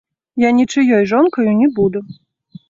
Я нічыёй жонкаю не буду.